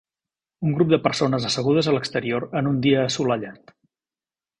Un grup de persones assegudes a l'exterior en un dia assolellat.